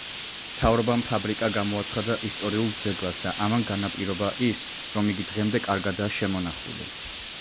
მთავრობამ ფაბრიკა გამოაცხადა ისტორიულ ძეგლად და ამან განაპირობა ის, რომ იგი დღემდე კარგადაა შემონახული.